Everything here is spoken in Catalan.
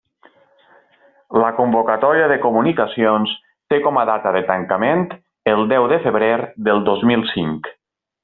La convocatòria de comunicacions té com a data de tancament el deu de febrer del dos mil cinc.